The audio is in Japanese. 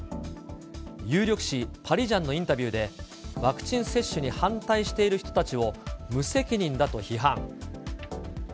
有力紙、パリジャンのインタビューで、ワクチン接種に反対している人たちを、無責任だと批判。